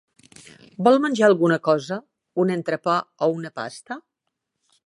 Vol menjar alguna cosa, un entrepà o una pasta?